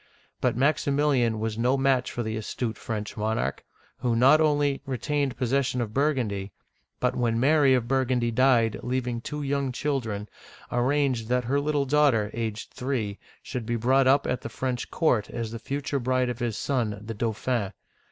But Maximilian was no match for the astute French monarch, who not only re tained possession of Burgundy, but when Mary of Bur gundy died, leaving two young children, arranged that her little daughter, aged three, should be brought up at the uigiTizea Dy vjiOOQlC LOUIS XI. (1461 1483) 211 French court as the future bride of his son, the Dauphin.